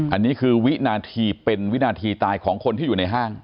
อันนี้คือวินาทีเป็นวินาทีตายของคนที่อยู่ในห้าง